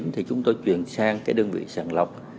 thì chúng tôi chuyển sang cái đơn vị sàng lọc